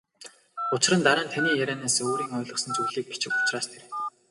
Учир нь дараа нь таны ярианаас өөрийн ойлгосон зүйлийг бичих учраас тэр.